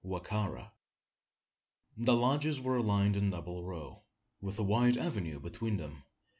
WA KA RA. The lodges were aligned in double row, with a wide avenue between them.